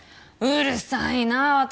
うるさいなあ！